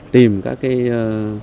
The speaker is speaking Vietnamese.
tìm các cái